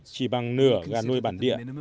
chỉ bằng nửa gà nuôi bản địa